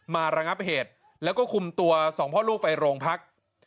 ระงับเหตุแล้วก็คุมตัวสองพ่อลูกไปโรงพัก